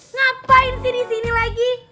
ngapain sih di sini lagi